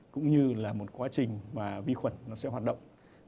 cũng như là một quá trình mà vi khuẩn nó sẽ hoạt động